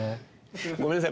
ごめんなさい。